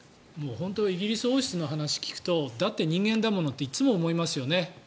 本当にイギリス王室の話を聞くとだって人間だものっていつも思いますよね。